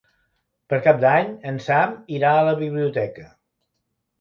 Per Cap d'Any en Sam irà a la biblioteca.